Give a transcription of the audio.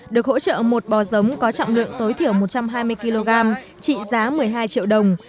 được hỗ trợ một bò giống có trọng lượng tối thiểu một trăm hai mươi kg trị giá một mươi hai triệu đồng